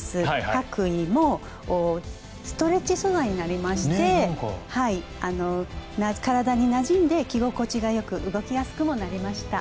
白衣もストレッチ素材になりまして体になじんで着心地がよく動きやすくもなりました。